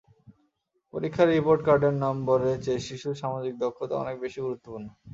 পরীক্ষার রিপোর্ট কার্ডের নম্বরের চেয়ে শিশুর সামাজিক দক্ষতা অনেক বেশি গুরুত্বপূর্ণ।